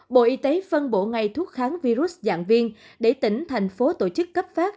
bộ y tế phân bổ ngay thuốc kháng virus dạng viên để tỉnh thành phố tổ chức cấp phát